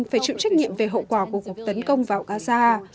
phải chịu trách nhiệm về hậu quả của cuộc tấn công vào gaza